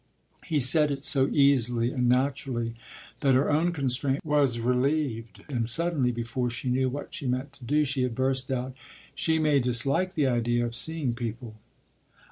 ” He said it so easily and naturally that her own constraint was relieved, and suddenly, before she knew what she meant to do, she had burst out: “She may dislike the idea of seeing people.